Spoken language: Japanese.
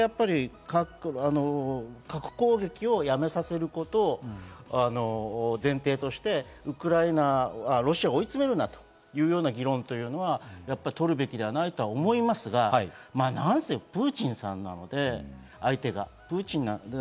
核攻撃をやめさせることを前提としてウクライナ、ロシアを追い詰めるなという議論はとるべきではないと思いますが、なんせプーチンさんなので、相手が。